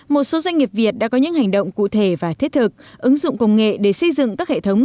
một số doanh nghiệp việt đã có những hành động cụ thể và thiết thực ứng dụng công nghệ để xây dựng các hệ thống